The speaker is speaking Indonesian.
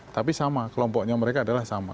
tapi sama kelompoknya mereka adalah sama